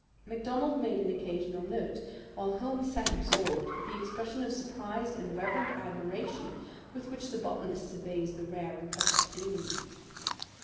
MacDonald made an occasional note; while Holmes sat absorbed, with the expression of surprised and reverent admiration with which the botanist surveys the rare and precious bloom.